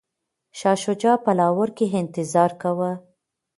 شاه شجاع په لاهور کي انتظار کاوه.